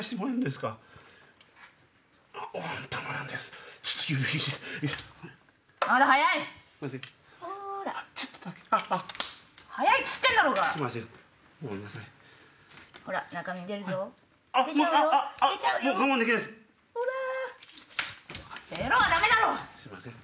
すいません。